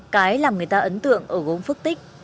cái làm người ta ấn tượng ở gốm phước tích